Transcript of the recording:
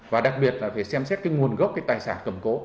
và đặc biệt là phải xem xét nguồn gốc tài sản cầm cố